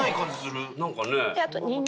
あと。